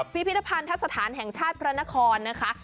พิพิธภัณฑสถานแห่งชาติพระนครนะคะ